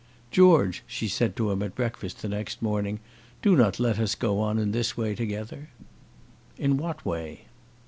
"George," she said to him at breakfast, the next morning, "do not let us go on in this way together." "In what way?"